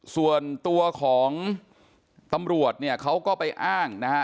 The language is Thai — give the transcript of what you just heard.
ส่วนตัวของตำรวจเนี่ยเขาก็ไปอ้างนะฮะ